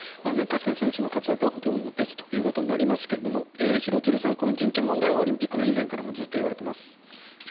確かに選手の活躍は別ということになりますが廣津留さん、この人権問題はオリンピック以前からもずっと言われています。